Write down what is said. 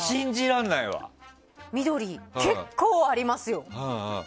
緑、結構ありますよ。